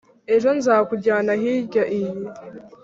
ejo nzakujyana hirya iyi